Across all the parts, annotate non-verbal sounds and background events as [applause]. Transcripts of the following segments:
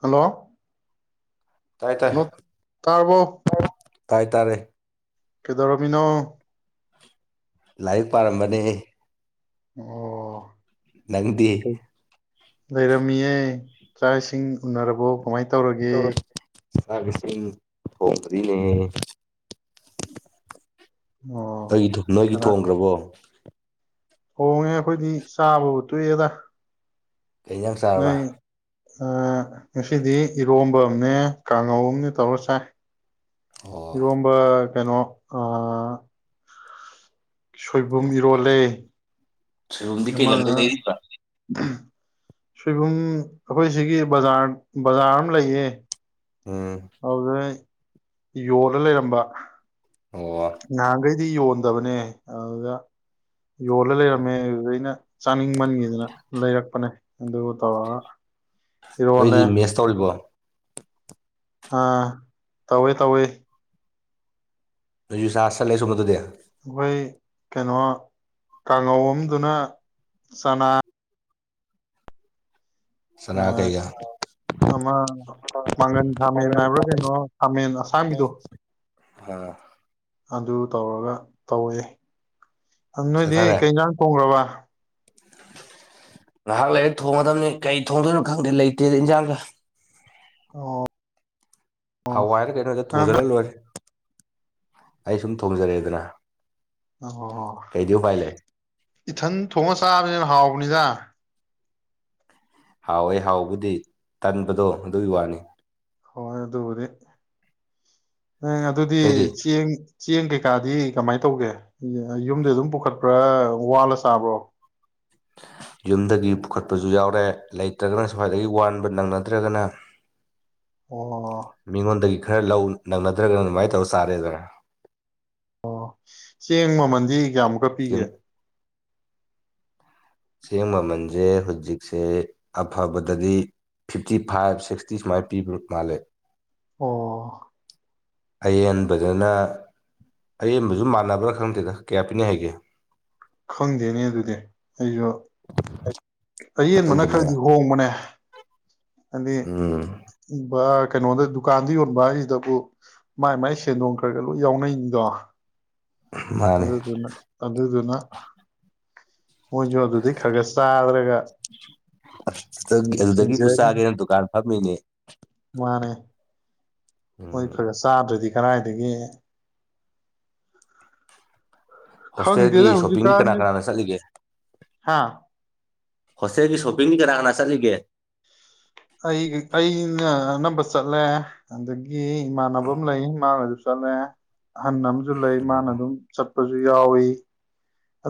hello ꯇꯥꯏ ꯅ ꯇꯥꯔꯕꯣ ꯀꯥꯏ ꯇꯔꯦ ꯀꯦꯗꯔꯃꯤꯅꯣ ꯂꯥꯏꯔꯤꯛ ꯄꯥꯔꯝꯕꯅꯦ ꯑꯣ ꯅꯪꯗꯤ ꯂꯩꯔꯝꯃꯤꯌꯦ ꯆꯥꯛ ꯏꯁꯤꯡ ꯎꯅꯔꯕꯣ ꯀꯃꯥꯏꯅ ꯇꯧꯔꯒꯦ ꯁꯁꯤꯡ ꯊꯣꯡꯔꯤꯅꯦ ꯑꯣ ꯑꯩꯒꯤ ꯅꯣꯏꯒꯤ ꯊꯣꯡꯈ꯭ꯔꯕꯣ ꯍꯣꯡꯉꯦ ꯑꯩꯈꯣꯏꯗꯤ ꯆꯥꯕꯕꯨ ꯇꯣꯛꯑꯦꯗ ꯀꯩ ꯅꯪ ꯆꯥꯔꯕ ꯅꯣꯏ ꯉꯁꯤꯗꯤ ꯏꯔꯣꯝꯕ ꯑꯃꯅꯦ ꯀꯥꯡꯉꯧ ꯑꯅꯦ ꯇꯧꯔ ꯁꯥꯏ ꯑꯣ ꯏꯒꯝꯕ ꯀꯩꯅꯣ ꯁꯣꯏꯕꯨꯝ ꯏꯔꯣꯜꯂꯦ ꯔꯨꯝꯗꯤ ꯀꯩ ꯑꯃꯅ ꯂꯝꯗꯩ ꯂꯩꯔꯤꯕ꯭ꯔꯥ ꯁꯣꯏꯕꯨꯝ ꯑꯩꯈꯣꯏ ꯁꯤꯒꯤ ꯕꯖꯥꯔ ꯕꯖꯥꯔ ꯑꯃ ꯂꯩꯌꯦꯦ ꯑꯝ ꯌꯣꯗ ꯂꯩꯔꯝꯕ ꯑꯣ ꯅꯥꯍꯟꯒꯩ ꯁꯤ ꯌꯣꯟꯗꯕꯅꯦ ꯑꯗꯨꯗ ꯌꯣꯜꯂ ꯂꯩꯔꯝꯃꯦ ꯑꯗꯨꯗ ꯑꯩꯅ ꯆꯥꯅꯤꯡꯃꯟꯈꯤꯗꯅ ꯂꯩꯔꯛꯄꯅꯦ ꯑꯗꯨ ꯇꯧꯔꯒ ꯏꯔꯣꯜꯂꯦ ꯅꯣꯏꯗꯤ ꯃꯦꯁ ꯇꯧꯔꯤꯕꯣ ꯑꯥ ꯇꯧꯋꯦ ꯇꯧꯋꯦ ꯑꯗꯨ ꯁꯥꯁ ꯂꯩ ꯁꯃꯗꯨꯗꯦ ꯑꯩꯈꯣꯏ ꯀꯩꯅꯣ ꯀꯥꯡꯉꯧꯝꯗꯨꯅ ꯆꯅꯥ ꯆꯅꯥ ꯀꯩꯒ ꯑꯃ ꯃꯥꯡꯒꯟ ꯈꯥꯃꯦꯟ ꯍꯥꯏꯕ꯭ꯔꯥ ꯀꯩꯅꯣ ꯈꯥꯃꯦꯟ ꯑꯁꯥꯝꯕꯤꯗꯣ ꯑꯥ ꯑꯗꯨ ꯇꯧꯔꯒ ꯇꯧꯑꯦ ꯅꯣꯏꯗꯤ ꯁꯦꯠꯊꯔꯦ ꯀꯩ ꯉꯥꯡ ꯇꯣꯡꯈ꯭ꯔꯕ ꯉꯥꯏꯍꯥꯛ ꯂꯥꯏꯔꯤꯛ ꯊꯣꯡꯒꯗꯕꯅꯤ ꯀꯩ ꯊꯣꯡꯗꯣꯏꯅꯣ ꯈꯪꯗꯦ ꯂꯩꯇꯦꯗ ꯏꯟꯖꯥꯡꯒ ꯑꯣ ꯑꯣ ꯍꯋꯥꯏꯔ ꯀꯩꯅꯣꯗ ꯅꯪ ꯊꯣꯡꯖꯤꯜꯂ ꯂꯣꯏꯔꯦ ꯑꯩ ꯁꯨꯝ ꯊꯣꯡꯖꯔꯦꯗꯅ ꯑꯣ ꯀꯩꯗꯤ ꯎꯄꯥꯏ ꯂꯩ ꯏꯊꯟ ꯊꯣꯡꯉ ꯆꯥꯕꯅꯤꯅ ꯍꯥꯎꯕꯅꯤꯗ ꯍꯥꯎꯋꯦ ꯍꯥꯎꯕꯨꯗꯤ ꯇꯟꯕꯗꯣ ꯑꯗꯨꯒꯤ ꯋꯥꯅꯤ ꯍꯣꯏ ꯑꯗꯨ ꯑꯣꯏꯔꯦ ꯎ ꯑꯗꯨꯗꯤ ꯅꯣꯏꯗꯤ ꯆꯦꯡ ꯆꯦꯡ ꯀꯩꯀꯥꯗꯤ ꯀꯃꯥꯏꯅ ꯇꯧꯒꯦ ꯌꯨꯝꯗ ꯑꯗꯨꯝ ꯄꯨꯈꯠꯄ꯭ꯔꯥ ꯋꯥꯂ ꯆꯥꯕ꯭ꯔꯣ ꯌꯨꯝꯗꯒꯤ ꯄꯨꯈꯠꯄꯁꯨ ꯌꯥꯎꯔꯦ ꯂꯩꯇ꯭ꯔꯒꯅ ꯁ꯭ꯋꯥꯏꯗꯒꯤ ꯋꯥꯟꯕ ꯅꯪꯅꯗ꯭ꯔꯒꯅ ꯑꯣ ꯃꯤꯉꯣꯟꯗꯒꯤ ꯈꯔ ꯂꯧ ꯅꯪꯅꯗ꯭ꯔꯒꯅꯪ ꯑꯗꯨꯃꯥꯏꯅ ꯇꯧꯔ ꯆꯥꯔꯦꯗꯅ ꯑꯣ ꯆꯦꯡ ꯃꯃꯜꯗꯤ ꯀꯌꯥꯃꯨꯛꯀ ꯌꯨꯝ ꯄꯤꯒꯦ ꯆꯦꯡ ꯃꯃꯜꯁꯦ ꯍꯧꯖꯤꯛꯁꯦ ꯑꯐꯕꯗꯗꯤ ꯐꯤꯐꯇꯤ ꯐꯥꯏꯚ ꯁꯤꯛꯁꯇꯤ ꯁꯨꯃꯥꯏꯅ ꯄꯤꯕ꯭ꯔ ꯃꯥꯜꯂꯦ ꯑꯣ ꯑꯌꯦꯦꯟꯕꯗꯅ ꯑꯌꯦꯦꯟꯕꯁꯨ ꯃꯥꯟꯅꯕ꯭ꯔꯥ ꯈꯪꯗꯦꯗ ꯀꯌꯥ ꯄꯤꯅ ꯍꯥꯏꯒꯦ ꯈꯪꯗꯦꯅꯦ ꯑꯗꯨꯗꯤ ꯑꯩꯁꯨ ꯑꯌꯦꯦꯟꯕꯅ ꯇꯧꯗꯕꯅꯤꯅ ꯈꯔꯗꯤ ꯍꯣꯡꯕꯅꯦ ꯎꯝ ꯑ ꯀꯩꯅꯣꯗ ꯗꯨꯀꯥꯟꯗꯤ ꯍꯟꯕꯥꯁꯤꯗꯕꯨ ꯃꯥꯏ ꯃꯥꯏ ꯁꯦꯟꯗꯣꯡ ꯈꯔꯒ ꯂꯣꯏ ꯌꯥꯎꯅꯩ ꯗ ꯃꯥꯅꯦ ꯑꯗꯨꯗꯨꯅ ꯑꯗꯨꯗꯨꯅ ꯃꯣꯏꯁꯨ ꯑꯗꯨꯗꯤ ꯈꯔ ꯈꯔ ꯆꯥꯗ꯭ꯔꯦ ꯑꯗꯨꯗꯒꯤꯕꯨ ꯍꯤꯡꯖꯔꯤ ꯆꯥꯒꯦ ꯅꯪ ꯗꯨꯀꯥꯟ ꯐꯝꯃꯤꯅꯦ ꯍꯣꯏ ꯎꯝ ꯐꯔꯦ ꯆꯥꯗ꯭ꯔꯗꯤ ꯀꯔꯥꯏꯗꯒꯤ ꯍꯣꯁꯇꯦꯜꯒꯤ ꯈꯪꯗꯦꯗ ꯁꯣꯞꯄꯤꯡꯅꯤ ꯀꯅꯥ ꯍꯧꯖꯤꯛꯀꯥꯟꯁꯦ ꯀꯅꯥꯅ ꯆꯠꯂꯤꯒꯦ ꯍꯥ ꯍꯣꯁꯇꯦꯜꯒꯤ ꯁꯣꯞꯄꯤꯡꯒꯤ ꯀꯅꯥ ꯍꯥꯟꯅ ꯆꯠꯂꯤꯒꯦ ꯑꯩ ꯑꯩꯅ ꯑꯅꯝꯕ ꯆꯠꯂꯦ ꯑꯗꯒꯤ ꯒꯤ ꯏꯃꯥꯟꯅꯕ ꯑꯃ ꯂꯩ ꯃꯥꯡꯅꯗꯁꯨ ꯆꯂꯦ ꯍꯟꯅꯝ ꯁꯨ ꯂꯩ ꯑꯣ ꯃꯥꯅ ꯑꯗꯨꯝ ꯆꯠ ꯨ ꯌꯥꯎꯏꯤ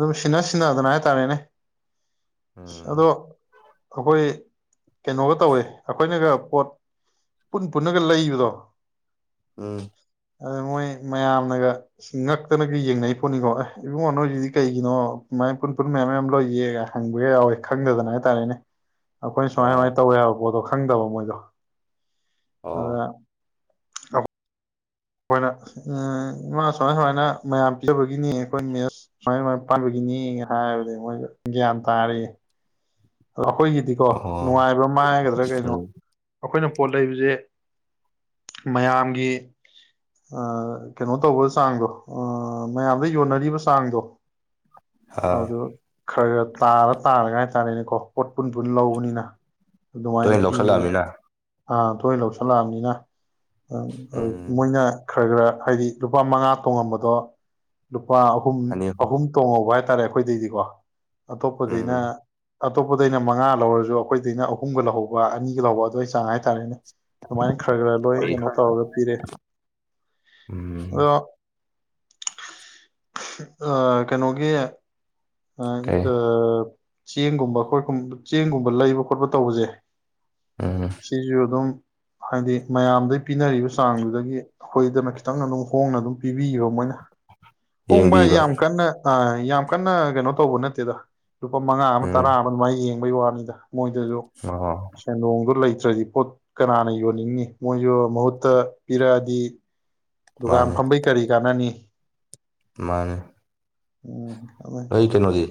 ꯑꯗꯨꯝ ꯁꯤꯟꯅ ꯁꯤꯟꯅꯗꯅ ꯍꯥꯏꯇꯥꯔꯦꯅꯦ ꯎꯝ ꯑꯗꯣ ꯑꯩꯈꯣꯏ ꯀꯩꯅꯣꯒ ꯇꯧꯋꯦ ꯑꯩꯈꯣꯏꯅꯒ ꯄꯣꯠ ꯄꯨꯟ ꯄꯨꯟꯅꯒ ꯂꯩꯕꯗꯣ ꯎꯝ ꯑꯗ ꯃꯣꯏ ꯃꯌꯥꯝꯅꯒ ꯉꯛꯇꯅꯒ ꯌꯦꯡꯅꯩ ꯄꯣꯠꯅꯤꯀꯣ ꯑꯦ ꯏꯕꯨꯡꯉꯣꯅ ꯍꯧꯖꯤꯛꯗꯤ ꯀꯩꯒꯤꯅꯣꯃꯥꯏ ꯄꯨꯟ ꯄꯨꯨꯟ ꯃꯌꯥꯝ ꯃꯌꯥꯝ ꯂꯧ ꯌꯦꯒ ꯍꯪꯕꯒ ꯌꯥꯎꯋꯦ ꯈꯪꯗꯗꯅ ꯍꯥꯏꯇꯥꯔꯦꯅꯦ ꯑꯩꯈꯣꯏ ꯁꯨꯃꯥꯏ ꯑꯥ ꯁꯃꯥꯏ ꯇꯧꯋꯦ ꯍꯥꯏꯕ ꯄꯣꯠꯇꯣ ꯈꯪꯗꯕ ꯃꯣꯏꯗꯣ ꯑꯣ ꯑꯗꯨ ꯑ ꯑꯩꯈꯣꯏꯅ ꯃꯥꯃ ꯁꯨꯃꯥꯏ ꯁꯨꯃꯥꯏꯅ ꯃꯌꯥꯝ ꯄꯤꯖꯕꯒꯤꯅꯤ ꯑꯩꯈꯣꯏ ꯃꯦꯠꯁ ꯁꯨꯃꯥꯏ ꯁꯨꯃꯥꯏꯅ ꯄꯥꯏꯒꯤꯅꯤ ꯍꯥꯏꯔꯕꯗꯤ ꯃꯣꯏꯁꯨ ꯒ꯭ꯌꯥꯟ ꯇꯥꯔꯛ ꯑꯗꯣ ꯑꯩꯈꯣꯏꯒꯤꯗꯤꯀꯣ ꯑꯣ ꯅꯨꯡꯉꯥꯏꯕ ꯃꯥꯏꯒꯗ꯭ꯔꯥ ꯀꯩꯅꯣ ꯎꯝ ꯑꯩꯈꯣꯏꯅ ꯄꯣꯠ ꯂꯩꯕꯁꯦ ꯃꯌꯥꯝꯒꯤ ꯀꯩꯅꯣ ꯇꯧꯕ ꯆꯥꯡꯗꯣ ꯃꯌꯥꯝꯗ ꯌꯣꯟꯅꯔꯤꯕ ꯆꯥꯡꯗꯣ ꯑꯥ ꯍꯥꯎꯗ ꯈꯔ ꯈꯔ ꯇꯥꯔ ꯇꯥꯔꯒ ꯍꯥꯏꯇꯥꯔꯦꯅꯦꯀꯣ [inaudible] ꯀꯨꯟ ꯄꯨꯟ ꯂꯧꯕꯅꯤꯅ ꯑꯗꯨꯃꯥꯏꯅ ꯇꯣꯏꯅ ꯄꯤꯌꯦ ꯂꯧꯁꯜꯂꯛꯑꯃꯤꯅ ꯑꯥ ꯊꯣꯏꯅ ꯂꯧꯁꯤꯜꯂꯛꯑꯕꯅꯤꯅ ꯎꯝ ꯃꯣꯏꯅ ꯈꯔ ꯈꯔ ꯍꯥꯏꯗꯤ ꯂꯨꯄꯥ ꯃꯉꯥ ꯇꯣꯡꯉꯝꯕꯗꯣ ꯄꯥ ꯑꯍꯨꯝ ꯑꯍꯨꯝ ꯇꯣꯡꯉꯧꯕ ꯍꯥꯏ ꯍꯥꯏꯇꯥꯔꯦ ꯑꯩꯈꯣꯏꯗꯩꯗꯤꯀꯣ ꯑꯇꯣꯞꯄꯗꯒꯤꯩꯅ ꯎꯝ ꯑꯇꯣꯞꯄꯗꯩꯅ ꯃꯉꯥ ꯂꯧꯔꯁꯨ ꯑꯩꯈꯣꯏꯗꯩꯅ ꯑꯍꯨꯝꯒ ꯂꯍꯧꯕ ꯑꯅꯤꯒ ꯂꯧꯕ ꯑꯗꯨꯋꯥꯏ ꯆꯥꯡ ꯍꯥꯏꯇꯥꯔꯦꯅꯦ ꯑꯗꯨꯃꯥꯏꯅ ꯈꯔ ꯈꯔ ꯂꯣꯏ ꯑꯩ ꯀꯩꯅꯣ ꯇꯧꯔꯒ ꯄꯤꯔꯦ ꯑꯗꯣ ꯎꯝ ꯑ ꯀꯩꯅꯣꯒꯤ ꯑ ꯏ ꯀꯩ ꯆꯦꯡꯒꯨꯝꯕ ꯑꯩꯈꯣꯏ ꯆꯦꯡꯒꯨꯝꯕ ꯂꯩꯕ ꯈꯣꯠꯄ ꯇꯧꯕꯁꯦ ꯎꯝ ꯁꯤꯁꯨꯔ ꯑꯗꯨꯝ ꯍꯥꯏꯗꯤ ꯃꯌꯥꯝꯗꯩ ꯄꯤꯅꯔꯤꯕ ꯆꯥꯡꯗꯨꯗꯒꯤ ꯑꯩꯈꯣꯏꯗꯅ ꯈꯤꯇꯪ ꯑꯗꯨꯝ ꯍꯣꯡꯅ ꯑꯗꯨꯝ ꯄꯤꯕꯤꯕꯣ ꯃꯣꯏꯅ ꯄꯣꯡ ꯚꯥꯏ ꯌꯦꯡꯕꯤꯕ ꯌꯥꯝ ꯀꯟꯅ ꯌꯥꯝ ꯀꯟꯅ ꯀꯩꯅꯣ ꯇꯧꯕ ꯅꯠꯇꯦꯗ ꯂꯨꯄꯥ ꯃꯉꯥ ꯎꯝ ꯇꯔꯥ ꯑꯗꯨ ꯃꯥꯏ ꯌꯦꯡ ꯕꯩ ꯋꯥꯅꯤꯗ ꯃꯣꯏꯗꯁꯨ ꯑꯣ ꯁꯦꯟꯗꯣꯡꯗ ꯂꯩꯇ ꯅꯠꯇ꯭ꯔꯗꯤ ꯄꯣꯠ ꯀꯅꯥꯅ ꯌꯣꯟꯅꯤꯡꯉꯤ ꯃꯣꯏꯁꯨ ꯃꯍꯨꯠꯇ ꯄꯤꯔꯛꯑꯗꯤ ꯗꯨꯀꯥꯟ ꯃꯥꯅꯦ ꯐꯝꯕꯩ ꯀꯔꯤ ꯀꯥꯟꯅꯅꯤ ꯃꯥꯅꯦ ꯎꯝ ꯑꯩ ꯀꯩꯅꯣꯖꯤ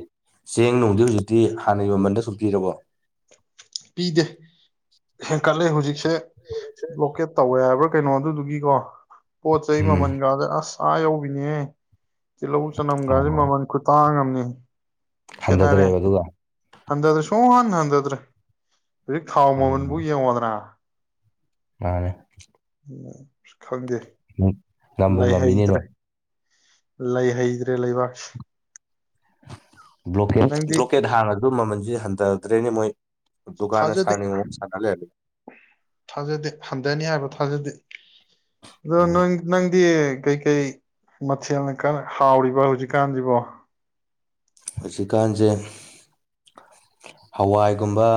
ꯆꯦꯡ ꯅꯨꯡꯗꯤ ꯍꯧꯖꯤꯛꯇꯤ ꯍꯥꯟꯅꯒꯤ ꯃꯃꯟꯗ ꯁꯨꯞꯄꯤꯤꯔꯕꯣ ꯄꯤꯗ ꯀꯂ ꯍꯧꯖꯤꯛꯁꯦ ꯕ꯭ꯂꯣꯀꯦꯠ ꯇꯧꯋꯦ ꯍꯥꯏꯕ ꯈ ꯀꯩꯅꯣ ꯑꯗꯨꯗꯨꯒꯤꯀꯣ ꯄꯣꯠ ꯆꯩ ꯎꯝ ꯃꯃꯟꯒꯒꯥꯗꯦ ꯑꯁ ꯑꯥ ꯌꯧꯕꯤꯅꯦ ꯇꯤꯜꯍꯧ ꯆꯅꯝꯒꯥꯁꯦ ꯑꯣ ꯃꯃꯜ ꯈꯨꯇꯥꯡꯉꯝꯅꯤ ꯎꯝ ꯈꯅꯔꯦ ꯍꯟꯊꯗ꯭ꯔꯦꯕ ꯑꯗꯨꯒ ꯑꯗꯗ ꯁꯨ ꯅꯗꯗ꯭ꯔꯦ ꯍꯧꯖꯤꯛ ꯈꯥꯎ ꯎꯝ ꯃꯃꯟꯕꯨ ꯌꯦꯡꯉꯣꯗꯅ ꯃꯥꯅꯦ ꯎ ꯈꯪꯗꯦ ꯎꯝ ꯉꯝꯕꯨ ꯉꯝꯃꯤꯅꯦ ꯅꯣꯏ ꯂꯩ ꯍꯩꯗ꯭ꯔꯦ ꯂꯩꯕꯥꯛꯁ ꯕ꯭ꯂꯣꯀꯦꯠ ꯕ꯭ꯂꯣꯀꯦꯠ ꯍꯥꯡꯉ ꯑꯗꯨ ꯃꯃꯜ ꯁꯤ ꯍꯟꯊꯗ꯭ꯔꯦꯅꯦ ꯃꯣꯏ ꯗꯨꯀꯥꯟꯅ ꯊꯥꯖꯗꯦ ꯁꯥꯔꯤꯉꯩ ꯃꯑꯣꯡ ꯁꯥꯟꯅ ꯂꯩꯔꯝꯃꯦ ꯊꯥꯖꯗꯦ ꯍꯟꯊꯅꯤ ꯍꯥꯏꯕ ꯊꯥꯖꯗꯦ ꯑꯗꯨꯣ ꯎꯝ ꯅꯪ ꯅꯪꯗꯤ ꯀꯩ ꯀꯩ ꯃꯊꯦꯜꯅ ꯀꯟꯅ ꯍꯥꯎꯔꯤꯕ ꯍꯧꯖꯤꯛꯀꯥꯟꯖꯤꯕꯣ ꯍꯨꯖꯤꯛꯀꯥꯟꯖꯦ ꯍꯋꯥꯏꯒꯨꯝꯕ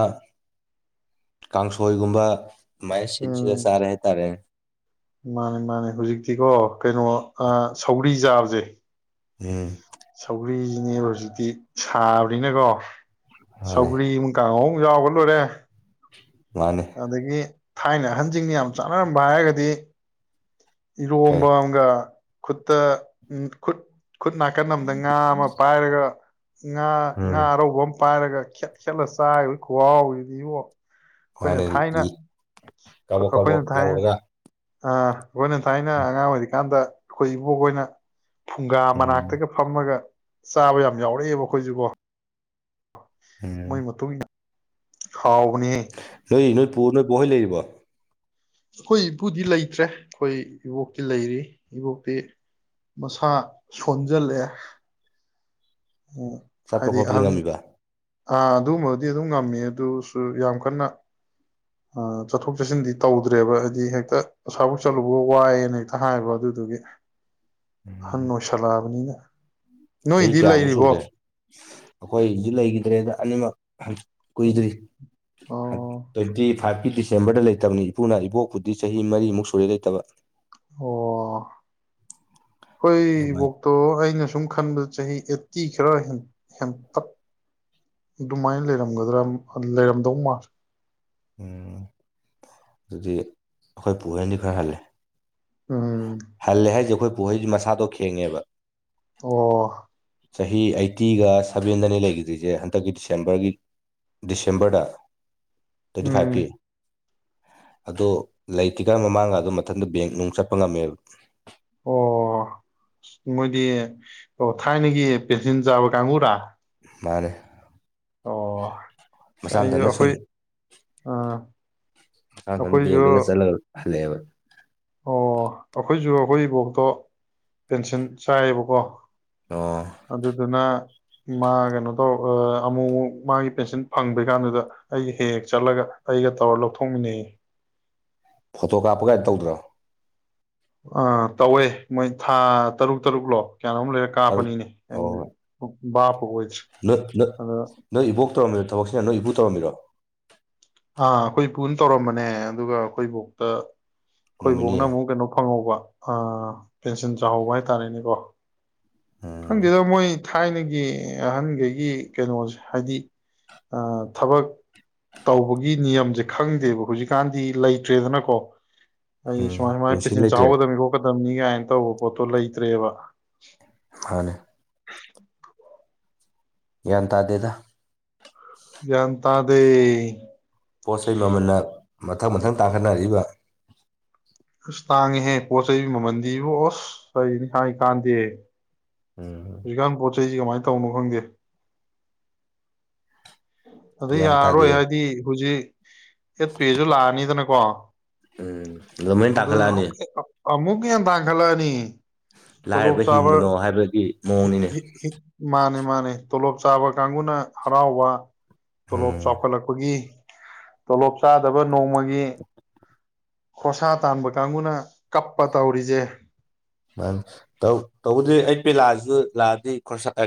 ꯀꯥꯡꯁꯣꯏꯒꯨꯝꯕ ꯃꯥꯏꯅ ꯁꯤꯟ ꯁꯤꯜꯂ ꯎꯝ ꯆꯥꯔꯦ ꯍꯥꯏꯇꯥꯔꯦꯅꯦ ꯃꯥꯅꯦ ꯃꯥꯅꯦ ꯍꯧꯖꯤꯛꯇꯤꯀꯣ ꯀꯩꯅꯣ ꯑ ꯁꯧꯒ꯭ꯔꯤ ꯆꯥꯕꯖꯦ ꯎꯝ ꯁꯧꯒ꯭ꯔꯤꯖꯤꯅꯦꯕ ꯍꯧꯖꯤꯛꯇꯤ ꯁꯥꯕꯅꯤꯅꯀꯣ ꯃꯥꯅꯦ ꯁꯧꯒ꯭ꯔꯤꯃ ꯀꯥꯡꯍꯧ ꯌꯥꯥꯎꯕ ꯂꯣꯏꯔꯦ ꯃꯥꯅꯦ ꯑꯗꯒꯤ ꯊꯥꯏꯅ ꯍꯟꯖꯤꯡꯅ ꯌꯥꯝ ꯆꯥꯟꯅꯔꯝꯕ ꯍꯥꯏꯔꯒꯗꯤ ꯏꯔꯣꯝꯕꯥ ꯀꯩ ꯑꯝꯒ ꯈꯨꯠꯇ ꯎꯝ ꯈꯨꯠ ꯈꯨꯠ ꯅꯥꯀꯟ ꯑꯃꯗ ꯉꯥ ꯑꯃ ꯄꯥꯏꯔꯒ ꯉꯥ ꯉꯥ ꯎꯝ ꯑꯔꯧꯕ ꯑꯃ ꯄꯥꯏꯔꯒ ꯈꯦꯠ ꯈꯦꯠꯂ ꯆꯥꯒꯤꯕꯩ ꯈꯨꯍꯥꯎꯖꯤꯗꯤꯕꯣ ꯃꯥꯅꯦ ꯂꯤ ꯀꯥꯕꯣꯛ ꯑꯩꯈꯣꯏꯅ ꯀꯥꯕꯣꯛ ꯊꯥꯏꯅ ꯂꯧꯔꯒ ꯑꯥ ꯑꯩꯈꯣꯏꯅ ꯊꯥꯏꯅ ꯑꯉꯥꯡ ꯑꯣꯏꯔꯤꯀꯥꯟꯗ ꯑꯩꯈꯣꯏ ꯏꯕꯣꯛ ꯍꯣꯏꯅ ꯐꯨꯡꯒꯥ ꯎꯝ ꯃꯅꯥꯛꯇꯒ ꯐꯝꯃꯒ ꯆꯥꯕ ꯌꯥꯝ ꯌꯥꯎꯔꯛꯑꯦꯕ ꯑꯩꯈꯣꯏꯖꯨꯀꯣ ꯎꯝ ꯃꯣꯏ ꯃꯇꯨꯡ ꯏꯟꯅ ꯍꯥꯎꯕꯅꯤꯍꯦ ꯅꯣꯏꯗꯤ ꯅꯣꯏ ꯄꯨ ꯅꯣꯏ ꯕꯣꯛꯍꯣꯏ ꯂꯩꯔꯤꯕꯣ ꯑꯩꯈꯣꯏ ꯏꯄꯨꯗꯤ ꯂꯩꯇ꯭ꯔꯦ ꯑꯩꯈꯣꯏ ꯏꯕꯣꯛꯇꯤ ꯂꯩꯔꯤ ꯏꯕꯣꯛꯇꯤ ꯃꯁꯥ ꯁꯣꯟꯖꯜꯂꯛꯑꯦ ꯆꯠꯄ ꯈꯣꯠꯄꯗꯤ ꯉꯝꯃꯤꯕ ꯑ ꯑꯗꯨꯒꯨꯝꯕꯒꯗꯤ ꯑꯗꯨꯝ ꯉꯝꯃꯦ ꯑꯗꯨꯁꯨ ꯌꯥꯝ ꯀꯟꯅ ꯑ ꯆꯠꯊꯣꯛ ꯆꯠꯁꯤꯟꯗꯤ ꯇꯧꯗ꯭ꯔꯦꯕ ꯍꯥꯏꯗꯤ ꯍꯦꯛꯇ ꯑꯁ꯭ꯋꯥꯏꯌꯧ ꯆꯠꯂꯨꯕꯨ ꯋꯥꯏꯌꯦꯅ ꯍꯦꯛꯇ ꯍꯥꯏꯌꯦꯕ ꯑꯗꯨꯗꯨꯒꯤ ꯑꯍꯟ ꯎꯝ ꯑꯣꯏꯁꯜꯂꯛꯑꯕꯅꯤꯅꯥ ꯆꯍꯤ ꯀꯌꯥꯃꯨꯛ ꯁꯨꯔꯒꯦ ꯑꯩꯈꯣꯏ ꯖꯨ ꯂꯩꯒꯤ ꯗ꯭ꯔꯦꯗ ꯑꯅꯤ ꯃꯛ ꯍꯧꯖꯤꯛ ꯀꯨꯏꯗ꯭ꯔꯤ ꯑꯣ ꯇꯣꯏꯟꯇꯤ ꯐꯥꯏꯚꯀꯤ ꯗꯤꯁꯦꯝꯕꯔꯗ ꯂꯩꯇꯕꯅꯤ ꯏꯄꯨꯅ ꯏꯕꯣꯛꯄꯨꯗꯤ ꯆꯍꯤ ꯃꯔꯤꯃꯨꯛ ꯁꯨꯔꯦ ꯂꯩꯇꯕ ꯑꯣ ꯑꯩꯈꯣꯏ ꯑꯗꯨꯃꯥꯏꯅ ꯏꯕꯣꯛꯇꯣ ꯑꯩꯅ ꯁꯨꯝ ꯈꯟꯕꯗ ꯆꯍꯤ ꯑꯦꯠꯇꯤ ꯈꯔ ꯍꯦꯟꯇꯛ ꯑꯗꯨꯃꯥꯏꯅ ꯂꯩꯔꯝꯒꯗ꯭ꯔꯥ ꯂꯩꯔꯝꯗꯧ ꯃꯥꯜꯂꯦ ꯑꯗꯨꯗꯤ ꯑꯩꯈꯣꯏ ꯄꯍꯦꯟꯅꯤ ꯈꯔ ꯍꯜꯦ ꯎꯝ ꯍꯥꯏꯜ ꯅꯦ ꯍꯥꯏꯁꯦ ꯑꯩꯈꯣꯏ ꯄꯨꯍꯩꯁ ꯃꯁꯥꯗꯣ ꯈꯦꯡꯉꯦꯕ ꯑꯣ ꯆꯍꯤ ꯑꯩꯠꯇꯤꯒ ꯁꯚꯦꯟꯗꯅꯤ ꯂꯩꯈꯤꯗ꯭ꯔꯤꯁꯦ ꯍꯟꯗꯛꯀꯤ ꯗꯤꯁꯦꯝꯕꯔꯒꯤ ꯗꯤꯁꯦꯝꯕꯔꯗ ꯇ꯭ꯋꯦꯟꯇꯤ ꯎꯝ ꯐꯥꯏꯚꯀꯤ ꯑꯗ ꯂꯩꯇ꯭ꯔꯤꯀꯥꯟ ꯃꯃꯥꯡꯒ ꯑꯗꯨ ꯃꯊꯟꯇ ꯕꯦꯡ ꯅꯨꯡ ꯆꯠꯄ ꯉꯝꯃꯦꯕ ꯑꯣ ꯃꯣꯏꯗꯤ ꯑꯣ ꯊꯥꯏꯅꯒꯤ ꯄꯦꯟꯁꯤꯟ ꯆꯥꯕ ꯀꯥꯡꯕꯨꯨꯔꯥ ꯃꯥꯅꯦ ꯑꯣ ꯃꯁꯥ ꯑꯩꯁꯨ ꯃꯊꯟꯇ ꯁꯨꯝ ꯑꯩꯈꯣꯏ ꯑꯥ ꯑꯩꯈꯣꯏꯁꯨ ꯂꯦꯕ ꯑꯣ ꯑꯩꯈꯣꯏꯁꯨ ꯑꯩꯈꯣꯏ ꯏꯐꯣꯛꯇꯣ ꯄꯦꯟꯁꯤꯜ ꯆꯥꯏꯌꯦꯕꯀꯣ ꯑꯣ ꯑꯗꯨꯗꯨꯅ ꯃꯥ ꯀꯩꯅꯣ ꯇꯧꯔ ꯑꯃꯨꯛꯛ ꯃꯥꯒꯤ ꯄꯦꯟꯁꯤꯟ ꯐꯡꯔꯩ ꯀꯥꯟꯗꯨꯗ ꯑꯩꯒ ꯍꯦꯛ ꯍꯦꯛ ꯆꯠꯂꯒ ꯑꯩꯒ ꯇꯧꯔ ꯂꯧꯊꯣꯛꯃꯤꯟꯅꯩ ꯌꯦ ꯐꯣꯇꯣ ꯀꯥꯞꯄ ꯀꯥꯏ ꯇꯧꯗ꯭ꯔꯣ ꯑꯥ ꯇꯧꯋꯦ ꯃꯣꯏ ꯊꯥ ꯇꯔꯨꯛ ꯇꯔꯨꯛꯂꯣ ꯀꯌꯥꯅꯣꯝ ꯂꯩꯔꯒ ꯇꯔꯨꯛ ꯀꯥꯞꯄꯅꯤꯅꯦ ꯑꯩ ꯕꯥꯄ ꯑꯣꯏ ꯅ ꯅ ꯅ ꯏꯕꯣꯛ ꯇꯧꯔ ꯊꯕꯛꯁꯤꯅ ꯅꯣꯏ ꯏꯄꯨ ꯇꯧꯔꯝꯃꯤꯔꯣ ꯑꯥ ꯑꯩꯈꯣꯏ ꯄꯨꯅ ꯇꯧꯔꯝꯕꯅꯦ ꯑꯗꯨꯒ ꯑꯩꯈꯣꯏ ꯏꯕꯣꯛꯇ ꯑꯩꯈꯣꯌ ꯅꯣꯃꯤꯅꯤ ꯏꯕꯣꯛꯅ ꯑꯃꯨꯛ ꯀꯩꯅꯣ ꯐꯡꯍꯧꯕ ꯑꯥ ꯄꯦꯟꯁꯤꯟ ꯆꯥꯍꯧꯕ ꯍꯥꯏꯇꯥꯔꯦꯅꯦꯀꯣ ꯎꯝ ꯈꯡꯗꯗ ꯃꯣꯏ ꯊꯥꯏꯅꯒꯤ ꯑꯍꯟꯈꯩꯒꯤ ꯀꯩꯅꯣꯁꯦ ꯍꯥꯏꯗꯤ ꯑ ꯊꯕꯛ ꯇꯧꯕꯒꯤ ꯅꯤꯌꯝꯁꯦ ꯈꯪꯗꯦꯕ ꯍꯧꯖꯤꯛꯀꯥꯟꯗꯤ ꯂꯩꯇ꯭ꯔꯦꯗꯅꯀꯣ ꯑꯩ ꯎꯝ ꯁꯨꯃꯥꯏ ꯁꯨꯃꯥꯏꯅ ꯄꯦꯟꯁꯤꯜ ꯄꯦꯟꯁꯤꯟ ꯂꯩꯇ꯭ꯔꯦ ꯆꯥꯎꯍꯒꯗꯕꯅꯤ ꯈꯣꯠꯀꯗꯕꯅꯤ ꯀꯥꯏꯅ ꯇꯧꯕ ꯄꯣꯠꯇꯣ ꯂꯩꯇ꯭ꯔꯦꯕ ꯍꯅꯦ ꯌꯦ ꯇ ꯑꯗꯨꯗꯦꯗ ꯟꯇꯥꯗ ꯄꯣꯠ ꯆꯩꯩ ꯃꯃꯜꯟꯅ ꯃꯊꯪ ꯃꯊꯪ ꯇꯥꯡꯈꯠꯅꯔꯤꯕ ꯑꯁ ꯇꯥꯡꯉꯦꯍꯦ ꯄꯣꯠ ꯆꯩ ꯃꯃꯜꯗꯤꯕ ꯑꯣꯁ ꯀꯅꯤ ꯍꯥꯏ ꯀꯥꯟꯗꯦ ꯎꯝꯝ ꯁꯤꯁꯤꯦ ꯀꯃꯥꯏꯅ ꯇꯧꯅꯣ ꯈꯪꯗꯦ ꯑꯗ ꯒ꯭ꯌꯥꯟ ꯇꯥꯗꯦ ꯌꯥꯔꯔꯣꯏ ꯍꯥꯏꯗꯤ ꯍꯧꯖꯤꯛ ꯑꯦ ꯄꯤꯖ ꯂꯥꯅꯤꯗꯅ ꯛꯋꯥ ꯎꯝ ꯑꯗꯨꯃꯩꯅ ꯇꯜꯂꯅꯦ ꯑꯃꯨꯛ ꯌꯦ ꯇꯥꯡꯈꯠꯂꯛꯑꯅꯤ ꯇꯂꯣꯞ ꯂꯥꯏꯔꯕ ꯆꯥꯕ ꯍꯤꯡꯒꯅꯣ ꯍꯥꯏꯕꯒꯤ ꯃꯑꯣꯡꯅꯤꯅꯦ ꯃꯥꯅꯦ ꯃꯥꯅꯦ ꯇꯣꯂꯣꯞ ꯆꯥꯕ ꯀꯥꯡꯕꯨꯅ ꯍꯔꯥꯎꯕ ꯇꯣꯂꯣꯞ ꯎꯝ ꯆꯥꯎꯈꯠꯂꯛꯄꯒꯤ ꯇꯣꯂꯣꯞ ꯆꯥꯗꯕ ꯅꯣꯡꯃꯒꯤ ꯃꯤ ꯈꯣꯁꯥ ꯇꯥꯟꯕ ꯀꯥꯡꯕꯨꯅ ꯀꯞꯄ ꯇꯧꯔꯤꯖꯦ ꯃꯥꯅ ꯇꯧꯕꯗꯤ ꯑꯩ ꯄꯦꯂꯥꯁꯨ ꯂꯥꯛꯑꯗꯤ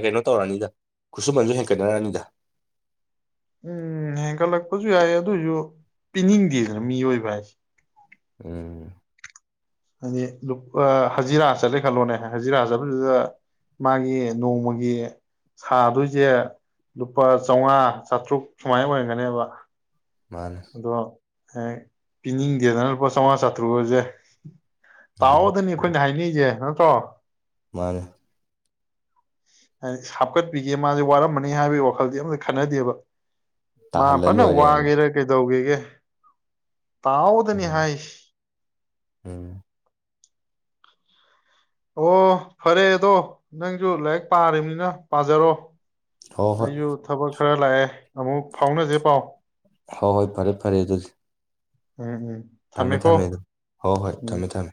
ꯀꯩꯅꯣ ꯇꯧꯔꯅꯤꯗ ꯈꯨꯠꯁꯨꯃꯟꯁꯨ ꯍꯦꯟꯀꯠꯅꯔꯅꯤꯗ ꯐꯁꯨ ꯌꯥꯏ ꯑꯗꯨꯑꯣ ꯑꯣꯏꯁꯨ ꯄꯤꯅꯤꯡꯗꯦꯗꯅ ꯃꯤꯑꯣꯏꯕ ꯍꯥꯏꯁꯦ ꯎꯝ ꯍꯥꯏꯗꯤ ꯍꯖꯤꯔꯥ ꯆꯠꯂꯦ ꯈꯜꯂꯣꯅꯦ ꯍꯖꯤꯔꯥ ꯆꯠꯄꯗꯨꯗ ꯃꯥꯒꯤ ꯅꯣꯡꯃꯒꯤ ꯁꯥꯗꯣꯏꯁꯦ ꯂꯨꯄꯥ ꯆꯥꯝꯃꯉꯥ ꯆꯥꯇ꯭ꯔꯨꯛ ꯁꯨꯃꯥꯏꯅ ꯑꯣꯏꯔꯒꯅꯦꯕ ꯃꯥꯅꯦ ꯑꯗꯣ ꯍꯦꯛ ꯄꯤꯅꯤꯡꯗꯦꯗꯅ ꯂꯨꯄꯥ ꯆꯥꯝꯃꯉꯥ ꯆꯥꯇ꯭ꯔꯨꯨꯔꯁꯦ ꯃꯥꯅꯦ ꯇꯥꯑꯣꯗꯅꯤ ꯑꯩꯈꯣꯏꯅ ꯍꯥꯏꯅꯤꯁꯦ [unintelligible] ꯃꯥꯅꯦ ꯍꯥꯏꯗꯤ ꯍꯥꯞꯀꯠꯄꯤꯒꯦ ꯃꯥꯁꯦ ꯋꯥꯔꯝꯕꯅꯤ ꯍꯥꯏꯕꯒꯤ ꯋꯥꯈꯜꯗꯤ ꯑꯝꯇ ꯈꯟꯅꯗꯦꯕ ꯇꯥꯍꯜꯂ ꯃꯥꯄꯅꯦ ꯂꯣꯏꯔꯦꯅ ꯋꯥꯒꯔ ꯇꯧꯒꯤꯒꯦ ꯇꯥꯎꯗꯅꯤ ꯎꯝ ꯍꯥꯏꯁꯤ ꯎꯝ ꯑꯣ ꯐꯔꯦ ꯑꯗꯣ ꯅꯡꯁꯨ ꯂꯥꯏꯔꯤꯛ ꯄꯥꯔꯤꯕꯅꯤꯅ ꯄꯥꯖꯔꯣ ꯍꯣꯏ ꯍꯣꯏ ꯑꯩ ꯌꯣ ꯊꯕꯛ ꯈꯔ ꯂꯥꯛꯑꯦ ꯑꯃꯨꯛ ꯐꯥꯎꯅꯁꯦ ꯄꯥꯎ ꯍꯣꯏ ꯍꯣꯏ ꯐꯔꯦ ꯐꯔꯦ ꯑꯗꯨꯗꯤ ꯎꯝ ꯎꯝ ꯊꯝꯃꯦ ꯊꯝꯃꯦꯀꯣ ꯊꯝꯃꯦ ꯑꯗꯨ ꯍꯣ ꯍꯣꯏ ꯎꯝ ꯊꯝꯃꯦ ꯊꯝꯃꯦ